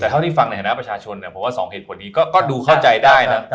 แต่เขาได้ฟังในฐานะประชาชนเพราะว่าสองเหตุผลนี้ก็ดูเข้าใจได้นะ